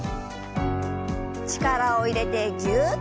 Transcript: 力を入れてぎゅっ。